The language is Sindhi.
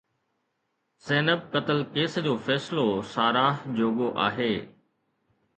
زينب قتل ڪيس جو فيصلو ساراهه جوڳو آهي